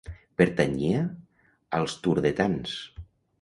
Pertanyia als turdetans.